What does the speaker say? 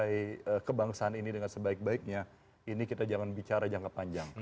dari kebangsaan ini dengan sebaik baiknya ini kita jangan bicara jangka panjang